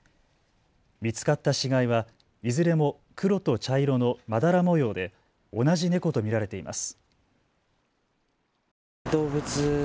見つかった死骸はいずれも黒と茶色のまだら模様で同じ猫と見られています。